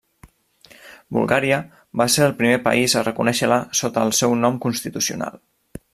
Bulgària va ser el primer país a reconèixer-la sota el seu nom constitucional.